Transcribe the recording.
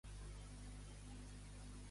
Així doncs, què s'hi veurà també tocat?